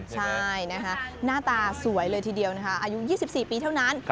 ใช่หน้าตาสวยเลยทีเดียวอายุ๒๔ปีเท่านั้น